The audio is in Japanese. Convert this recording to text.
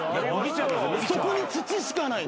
そこに土しかない。